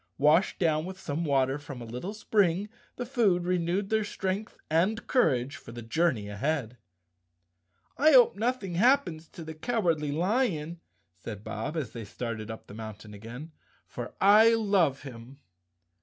Washed down with some water from a little spring, the food 230 Chapter Seventeen renewed their strength and courage for the journey ahead. "I hope nothing happens to the Cowardly Lion," said Bob, as they started up the mountain again, "for I love him."